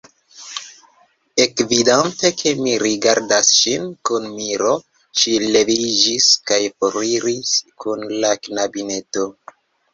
Ekvidante, ke mi rigardas ŝin kun miro, ŝi leviĝis kaj foriris kun la knabineto.